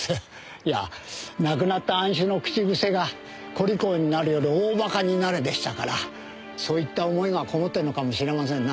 いやぁ亡くなった庵主の口癖が「小利口になるより大馬鹿になれ」でしたからそういった思いがこもってるのかもしれませんな。